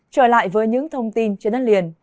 trở lại với những thông tin trên đất liền